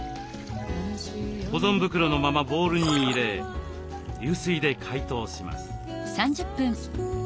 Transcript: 保存袋のままボウルに入れ流水で解凍します。